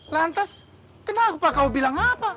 lantas kenapa kau bilang apa